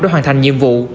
để hoàn thành nhiệm vụ